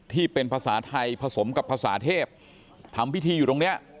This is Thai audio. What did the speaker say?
ที่เป็นภาษาไทยผสมกับภาษาเทพทำพิธีอยู่ตรงนี้